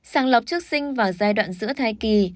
sàng lọc trước sinh vào giai đoạn giữa thai kỳ